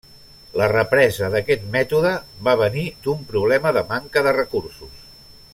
La represa d'aquest mètode va venir d'un problema de manca de recursos.